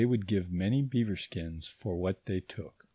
would give many beaver ekins for what they took.